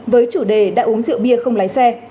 với chủ đề đã uống rượu bia không lái xe